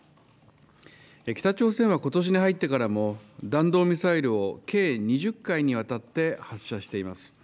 北朝鮮はことしに入ってからも弾道ミサイルを計２０回にわたって発射しています。